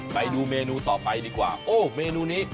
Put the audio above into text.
ไปดูเมนูต่อไปดีกว่าโอ้เมนูนี้